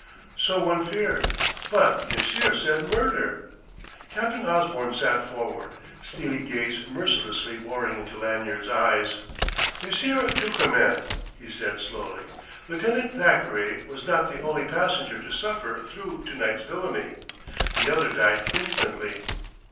"So one feared. But monsieur said 'murder'...." Captain Osborne sat forward, steely gaze mercilessly boring into Lanyard's eyes. "Monsieur Duchemin," he said slowly, "Lieutenant Thackeray was not the only passenger to suffer through to night's villainy. The other died instantly."